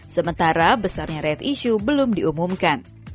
sementara besarnya right issue belum diumumkan